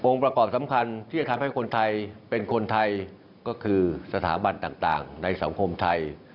ประกอบสำคัญที่จะทำให้คนไทยเป็นคนไทยก็คือสถาบันต่างในสังคมไทย